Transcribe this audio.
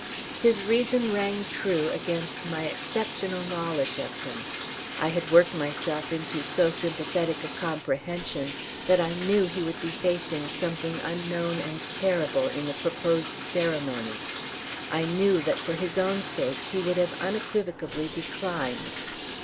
His reason rang true against my exceptional knowledge of him. I had worked myself into so sympathetic a comprehension that I KNEW he would be facing something unknown and terrible in the proposed ceremony; I KNEW that for his own sake he would have unequivocably declined.